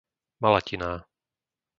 Malatiná